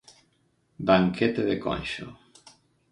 Banquete de Conxo.